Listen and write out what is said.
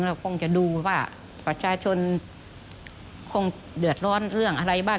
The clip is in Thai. เราคงจะดูว่าประชาชนคงเดือดร้อนเรื่องอะไรบ้าง